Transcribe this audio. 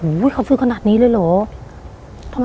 โหเขาซื้อขนาดนี้เลยเหรอ